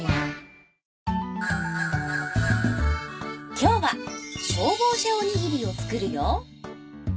今日は消防車おにぎりを作るよ。